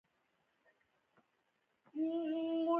د څه شي د لرلو او نه لرلو پوښتنه ترې کوي.